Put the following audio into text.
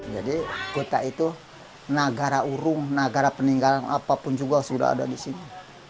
jadi kota itu nagara urung nagara peninggalan apapun juga sudah ada di sini